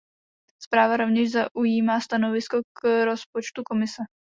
Zpráva rovněž zaujímá stanovisko k rozpočtu Komise.